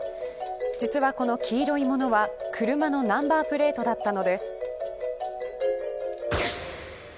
実はこの黄色いものは車のナンバープレートだったのです。